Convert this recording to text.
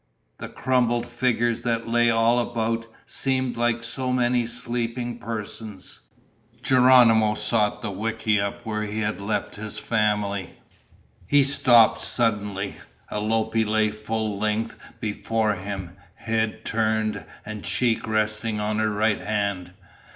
The crumpled figures that lay all about seemed like so many sleeping persons. Geronimo sought the wickiup where he had left his family. He stopped suddenly. Alope lay full length before him, head turned and cheek resting on her right hand.